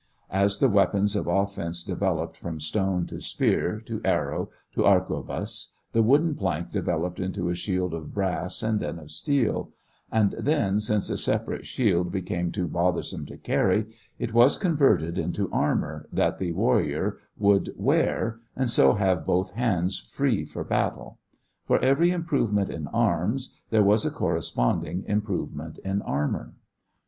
As the weapons of offense developed from stone to spear, to arrow, to arquebus, the wooden plank developed into a shield of brass and then of steel; and then, since a separate shield became too bothersome to carry, it was converted into armor that the warrior could wear and so have both hands free for battle. For every improvement in arms there was a corresponding improvement in armor.